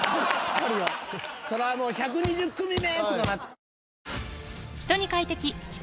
それはもう１２０組目とか。